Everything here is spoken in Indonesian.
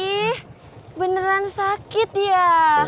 ih beneran sakit ya